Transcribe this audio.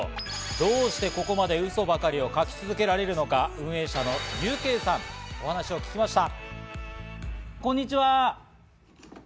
どうしてここまでウソばかりを書き続けられるのか運営者のＵＫさんにお話を聞きました。